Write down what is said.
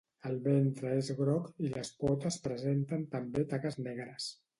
El ventre és groc i les potes presenten també taques negres.